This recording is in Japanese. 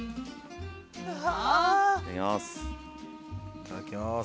いただきます。